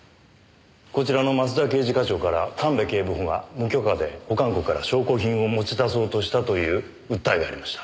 こちらの益田刑事課長から神戸警部補が無許可で保管庫から証拠品を持ち出そうとしたという訴えがありました。